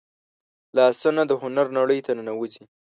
لاسونه د هنر نړۍ ته ننوځي